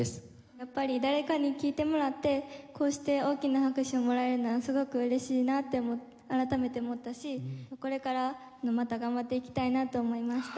やっぱり誰かに聴いてもらってこうして大きな拍手をもらえるのはすごく嬉しいなって改めて思ったしこれからもまた頑張っていきたいなと思いました。